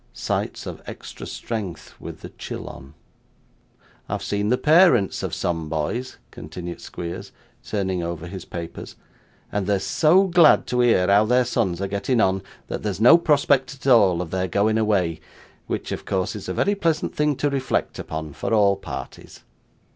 Sights of extra strength with the chill on. 'I have seen the parents of some boys,' continued Squeers, turning over his papers, 'and they're so glad to hear how their sons are getting on, that there's no prospect at all of their going away, which of course is a very pleasant thing to reflect upon, for all parties.